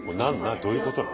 どういうことなの？